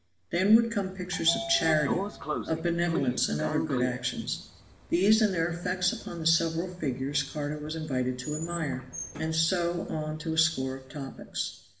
Then would come pictures of charity, of benevolence and other good actions. These and their effects upon the several figures Carter was invited to admire, and so on to a score of topics.